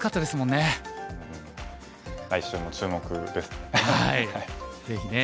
来週も注目ですね。